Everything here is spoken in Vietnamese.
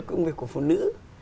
công việc của phụ nữ